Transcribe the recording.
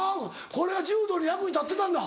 これは柔道に役に立ってたんだ。